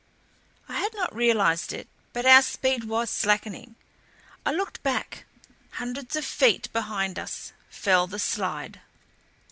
I had not realized it, but our speed was slackening. I looked back hundreds of feet behind us fell the slide.